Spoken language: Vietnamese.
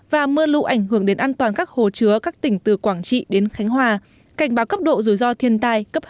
và mưa lũ ảnh hưởng đến an toàn các hồ chứa các tỉnh từ quảng trị đến khánh hòa cảnh báo cấp độ rủi ro thiên tai cấp hai